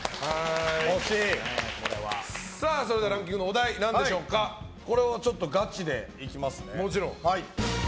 それではランキングのお題はこれはガチでいきますね。